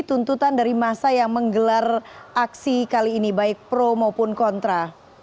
tuntutan dari masa yang menggelar aksi kali ini baik pro maupun kontra